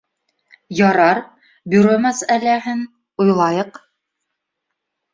Ярар, бюро мәсьәлә һен уйлайыҡ